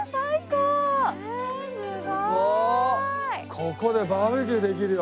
ここでバーベキューできるよ。